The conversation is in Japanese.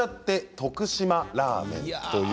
徳島ラーメン